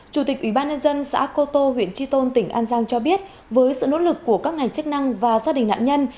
chủ tịch ubnd xã cô tô huyện tri tôn tỉnh an giang cho biết với sự nỗ lực của các ngành chức năng và gia đình nạn nhân